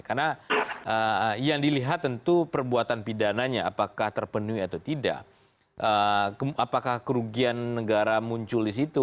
karena yang dilihat tentu perbuatan pidananya apakah terpenuhi atau tidak apakah kerugian negara muncul di situ